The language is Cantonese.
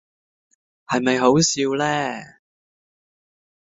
係咪好可笑呢？